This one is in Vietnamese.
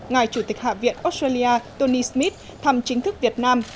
ngài chủ tịch hạ viện australia tony smith thăm chính thức việt nam